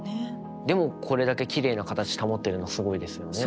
でもこれだけきれいな形保ってるのすごいですよね。